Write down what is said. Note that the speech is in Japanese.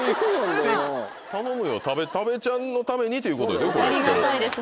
頼むよ多部ちゃんのためにということですよ